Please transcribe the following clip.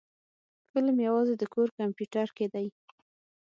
فلم يوازې د کور کمپيوټر کې دی.